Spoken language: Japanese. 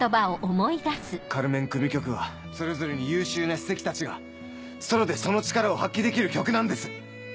『カルメン組曲』はそれぞれに優秀な首席たちがソロでその力を発揮できる曲なんです